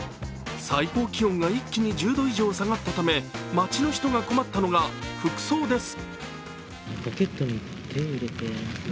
最高気温が一気に１０度以上下がったため、街の人が困ったのが服装です。